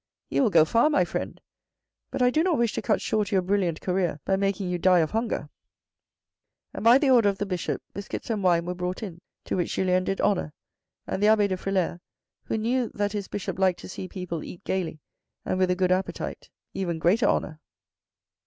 You will go far, my friend, but I do not wish to cut short your brilliant career by making you die of hunger." 214 THE RED AND THE BLACK And by the order of the Bishop, biscuits and wine were brought in, to which Julien did honour, and the abbe de Frilair, who knew that his Bishop liked to see people eat gaily and with a good appetite, even greater honour.